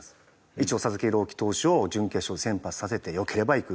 一応佐々木朗希投手を準決勝で先発させて良ければいく。